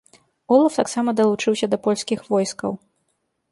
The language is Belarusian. Олаф таксама далучыўся да польскіх войскаў.